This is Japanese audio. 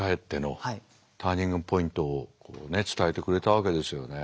ターニングポイントを伝えてくれたわけですよね。